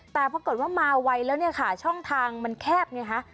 แต่ปรากฏว่ามาไวแล้วเนี่ยค่ะช่องทางมันแคบไงฮะ